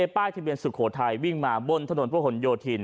ป้ายทะเบียนสุโขทัยวิ่งมาบนถนนพระหลโยธิน